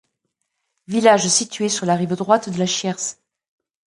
Village situé sur la rive droite de la Chiers.